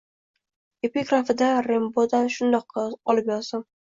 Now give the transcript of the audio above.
Epigrafida Rembodan shundoq olib yozdim.